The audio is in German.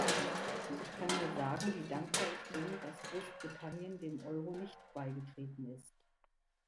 Ich kann nur sagen, wie dankbar ich bin, dass Großbritannien dem Euro nicht beigetreten ist.